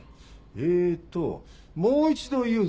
えっともう一度言うぞ。